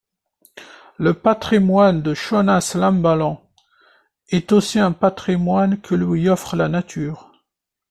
Le patrimoine de Chonas-l'Amballan est aussi un patrimoine que lui offre la nature.